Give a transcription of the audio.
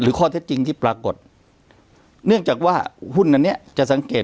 ข้อเท็จจริงที่ปรากฏเนื่องจากว่าหุ้นอันเนี้ยจะสังเกต